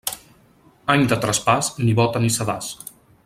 Any de traspàs, ni bóta ni sedàs.